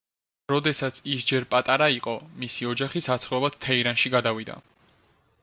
როდესაც ის ჯერ პატარა იყო, მისი ოჯახი საცხოვრებლად თეირანში გადავიდა.